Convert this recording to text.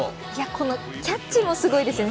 このキャッチもすごいですよね。